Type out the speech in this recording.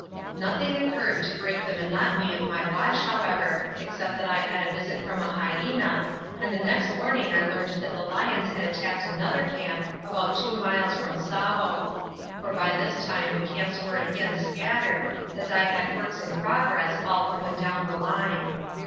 Nothing occurred to break the monotony of my watch, however, except that I had a visit from a hyena, and the next morning I learned that the lions had attacked another camp about two miles from Tsavo for by this time the camps were again scattered, as I had works in progress all up and down the line.